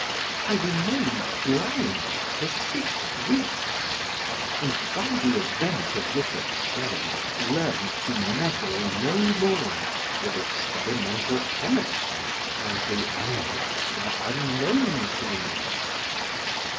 I remained blind for six weeks, and by the event of this experiment learned to meddle no more with experimental Chemistry while the elements were unknown to me.